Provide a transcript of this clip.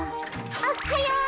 おっはよう！